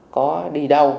có đi đâu